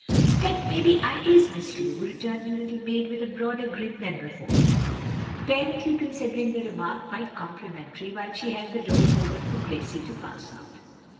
"S'pect mebbe I is, Miss Lu," returned the little maid with a broader grin than before, apparently considering the remark quite complimentary, while she held the door open for Gracie to pass out.